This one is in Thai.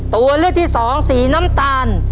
ตัวเลือกที่สองสีน้ำตาล